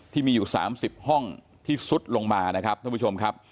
ที่มีอยู่๓๐ห้องที่ซุดลงมานะครับท่านผู้ชมครับ